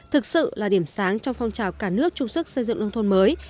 thực sự là điểm sáng trong phong trào cả nước chung sức xây dựng nông thôn mới